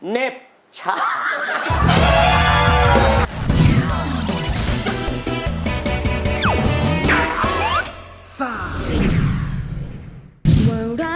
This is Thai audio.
เน็บชา